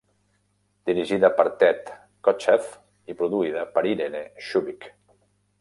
Dirigida per Ted Kotcheff i produïda per Irene Shubik.